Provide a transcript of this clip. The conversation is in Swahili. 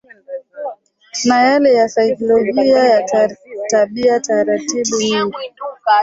na yale ya saikolojia ya tabia taratibu nyingi